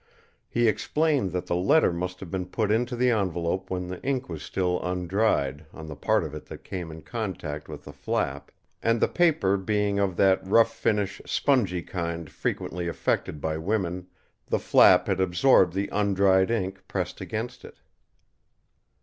He explained that the letter must have been put into the envelope when the ink was still undried on the part of it that came in contact with the flap, and, the paper being of that rough finish, spongy kind frequently affected by women, the flap had absorbed the undried ink pressed against it.